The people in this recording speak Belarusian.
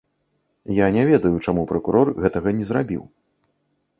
Я не ведаю, чаму пракурор гэтага не зрабіў.